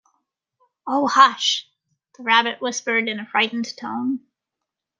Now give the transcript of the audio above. ‘Oh, hush!’ the Rabbit whispered in a frightened tone.